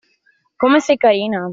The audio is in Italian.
Come sei carina!